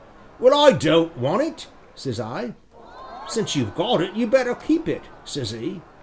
'Well, I don't want it,' says I. 'Since you've got it you'd better keep it,' says 'e.